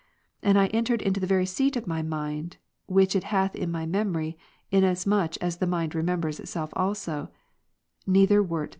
And I entered into the very seat of my mind, (which it hath in my memory, inasmuch as the mind remembers itself also,) neither we]i___.